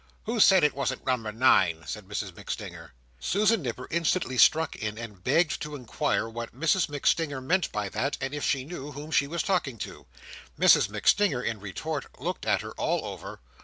"Who said it wasn't Number Nine?" said Mrs MacStinger. Susan Nipper instantly struck in, and begged to inquire what Mrs MacStinger meant by that, and if she knew whom she was talking to. Mrs MacStinger in retort, looked at her all over.